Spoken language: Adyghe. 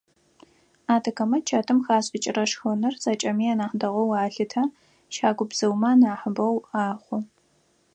Адыгэмэ чэтым хашӏыкӏырэ шхыныр зэкӏэми анахь дэгъоу алъытэ, щагубзыумэ анахьыбэу ахъу.